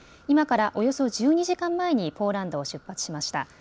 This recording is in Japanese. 今からおよそ１２時間前にポーランドを出発しました。